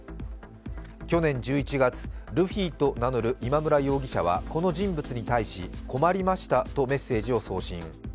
去年１１月、ルフィと名乗る今村容疑者はこの人物に対し困りましたとメッセージを送信。